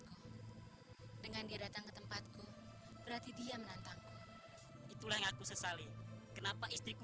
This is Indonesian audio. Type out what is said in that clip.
kau dengan dia datang ke tempatku berarti dia menantang itulah aku sesali kenapa istriku